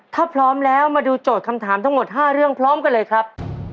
ถ้าพร้อมแล้วมาดูโจทย์คำถามทั้งหมด๕เรื่องพร้อมกันเลยครับ